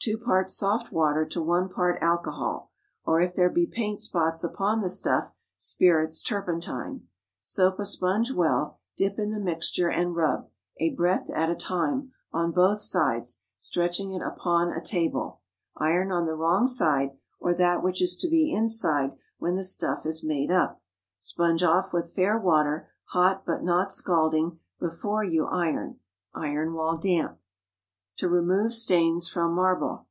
2 parts soft water to 1 part alcohol, or if there be paint spots upon the stuff, spirits turpentine. Soap a sponge well, dip in the mixture and rub, a breadth at a time, on both sides, stretching it upon a table. Iron on the wrong side, or that which is to be inside when the stuff is made up. Sponge off with fair water, hot but not scalding, before you iron. Iron while damp. TO REMOVE STAINS FROM MARBLE.